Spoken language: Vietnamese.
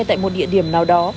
tại một địa điểm nào đó